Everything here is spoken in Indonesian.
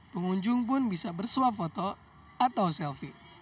pengunjung pun bisa bersuap foto atau selfie